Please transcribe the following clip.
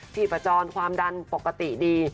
ที่ผจญความดันปกติดี